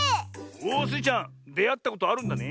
おっスイちゃんであったことあるんだね。